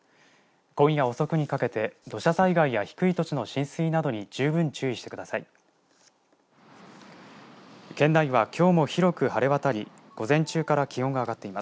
今夜遅くにかけて土砂災害や低い土地の浸水などに十分注意してください。